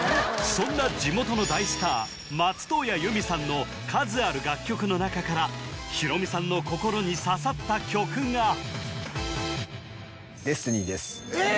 そんな地元の大スター松任谷由実さんの数ある楽曲の中からヒロミさんの心に刺さった曲が！えっ！？